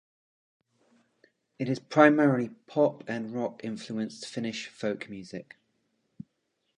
It is primarily pop- and rock-influenced Finnish folk music.